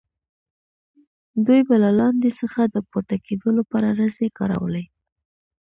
دوی به له لاندې څخه د پورته کیدو لپاره رسۍ کارولې.